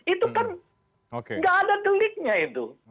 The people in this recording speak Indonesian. itu kan nggak ada deliknya itu